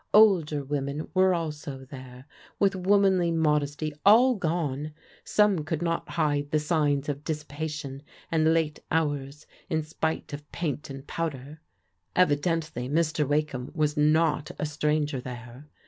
Older women were also there, with womanly modesty all gone. Some could not hide the signs of dissipation and late hours, in spite of paint and powder. Evidently Mr. Wakeham was not a stranger there.